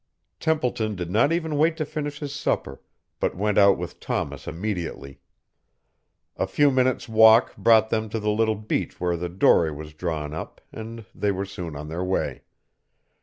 Templeton did not even wait to finish his supper, but went out with Thomas immediately. A few minutes' walk brought them to the little beach where the dory was drawn up and they were soon on their way.